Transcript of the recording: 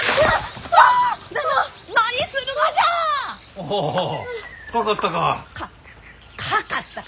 おおかかったか？